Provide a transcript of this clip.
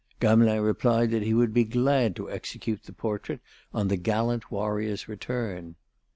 Gamelin replied that he would be glad to execute the portrait on the gallant warrior's return.